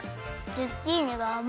ズッキーニがあまい。